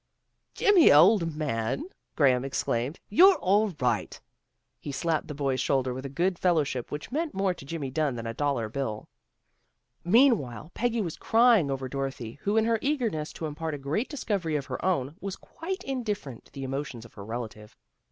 " Jimmy, old man," Graham exclaimed, " you're all right." He slapped the boy's shoulder with a good fellowship which meant more to Jimmy Dunn than a dollar bill. Mean while Peggy was crying over Dorothy, who in her eagerness to impart a great discovery of her own, was quite indifferent to the emotions of her relative.